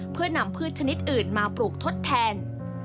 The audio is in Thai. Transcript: เพื่อนำพืชชนิดอื่นมาปลูกทดแทน